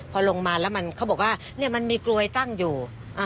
พอลงมาแล้วมันเขาบอกว่ามันมีกลวยตั้งอยู่